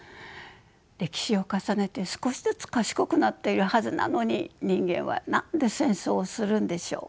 歴史を重ねて少しずつ賢くなっているはずなのに人間は何で戦争をするんでしょう？